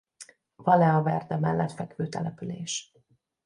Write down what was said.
Valea Verde mellett fekvő település.